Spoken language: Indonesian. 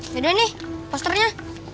ya udah nih posternya